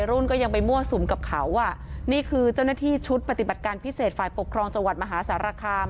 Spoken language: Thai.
รุ่นก็ยังไปมั่วสุมกับเขาอ่ะนี่คือเจ้าหน้าที่ชุดปฏิบัติการพิเศษฝ่ายปกครองจังหวัดมหาสารคาม